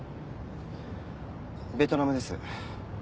ベトナムです。